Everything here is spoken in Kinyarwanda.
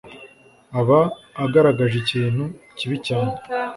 aba agaragaje ikintu kibi cyane